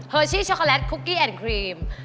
เฮอร์ชี้ช็อกโกแลตคุกกี้แอนด์ครีม